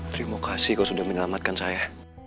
terima kasih kau sudah menyelamatkan saya